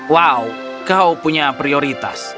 wow kau punya prioritas